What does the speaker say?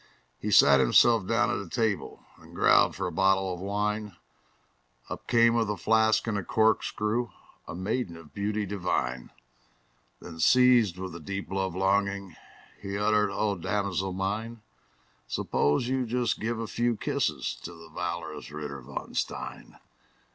He sat himself down at a table, And growled for a bottle of wine; Up came with a flask and a corkscrew A maiden of beauty divine. Then, seized with a deep love longing, He uttered, "O damosel mine, Suppose you just give a few kisses To the valorous Ritter von Stein!"